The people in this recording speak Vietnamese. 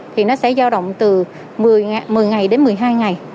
thì nó sẽ giao động từ một mươi ngày đến một mươi hai ngày